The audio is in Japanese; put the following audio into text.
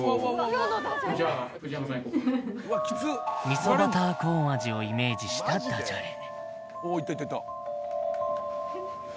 味噌バターコーン味をイメージしたダジャレ